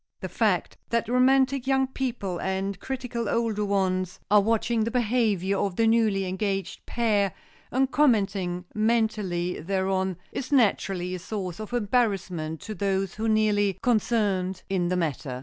The fact that romantic young people and critical older ones are watching the behavior of the newly engaged pair and commenting mentally thereon, is naturally a source of embarrassment to those most nearly concerned in the matter.